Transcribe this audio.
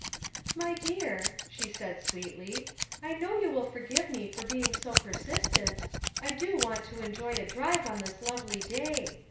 "My dear," she said sweetly, "I know you will forgive me for being so persistent; I do want you to enjoy a drive on this lovely day.